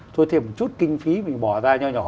thua thêm một chút kinh phí mình bỏ ra nhỏ nhỏ